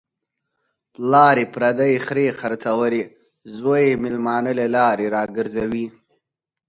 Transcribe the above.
پلار یې پردۍ خرې خرڅولې، زوی یې مېلمانه له لارې را گرځوي.